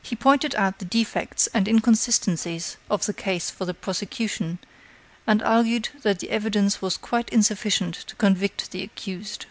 He pointed out the defects and inconsistencies of the case for the prosecution, and argued that the evidence was quite insufficient to convict the accused.